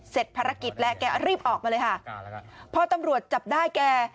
ภารกิจแล้วแกรีบออกมาเลยค่ะพอตำรวจจับได้แก